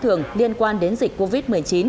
thường liên quan đến dịch covid một mươi chín